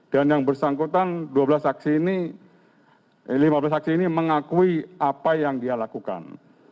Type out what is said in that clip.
dan yang bersangkutan dua belas aksi ini lima belas aksi ini mengakui apa yang dia lakukan